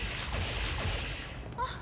あっ。